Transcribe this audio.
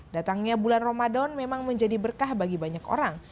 datangnya bulan ramadan memang menjadi berkah bagi banyak orang